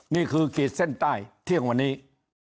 นี่คือกฤทธิ์เส้นใต้เที่ยงวันนี้